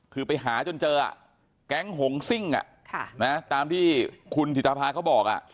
คือไปหาจนเจอแก๊งหงซิ่งตามที่คุณถิตภาเขาบอก